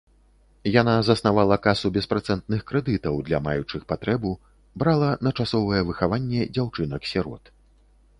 Яна заснавала касу беспрацэнтных крэдытаў для маючых патрэбу, брала на часовае выхаванне дзяўчынак-сірот.